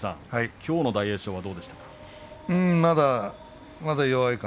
きょうの大栄翔はどうでしたか。